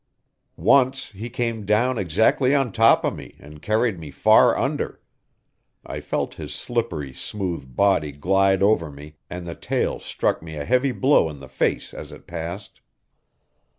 Once he came down exactly on top of me and carried me far under; I felt his slippery, smooth body glide over me, and the tail struck me a heavy blow in the face as it passed.